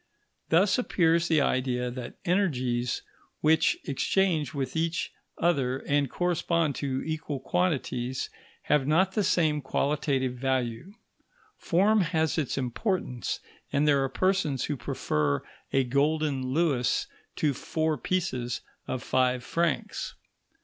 Thus appears the idea that energies which exchange with each other and correspond to equal quantities have not the same qualitative value. Form has its importance, and there are persons who prefer a golden louis to four pieces of five francs.